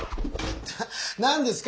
何ですか？